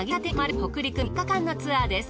北陸３日間のツアーです。